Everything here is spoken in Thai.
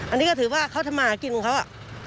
อันนี้ก็ถือว่าเขาทำมาหากินของเขา